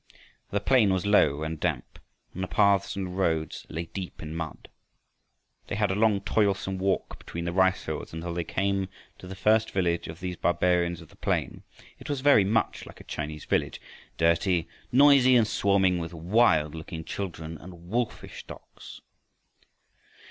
The plain was low and damp and the paths and roads lay deep in mud. They had a long toilsome walk between the ricefields until they came to the first village of these barbarians of the plain. It was very much like a Chinese village, dirty, noisy, and swarming with wild looking children and wolfish dogs.